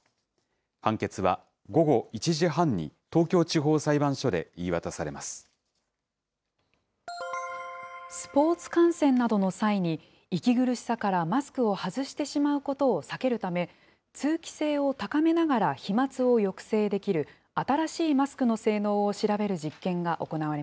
判決は午後１時半に、東京地方裁スポーツ観戦などの際に、息苦しさからマスクを外してしまうことを避けるため、通気性を高めながら飛まつを抑制できる新しいマスクの性能を調べ